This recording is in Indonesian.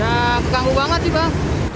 ya terganggu banget sih pak